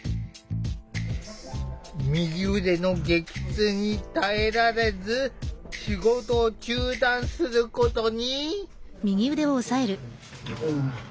右腕の激痛に耐えられず仕事を中断することに。